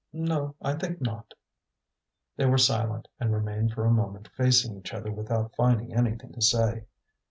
"No, I think not." They were silent and remained for a moment facing each other without finding anything to say.